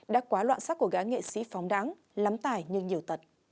đã quá loạn sắc của gã nghệ sĩ phóng đáng lắm tài nhưng nhiều tật